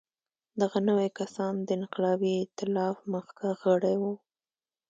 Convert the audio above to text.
دغه نوي کسان د انقلابي اېتلاف مخکښ غړي وو.